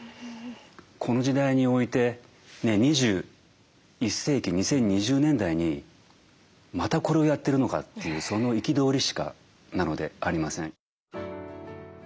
この時代においてね２１世紀２０２０年代にまたこれをやってるのかっていうその憤りしかなのでありません。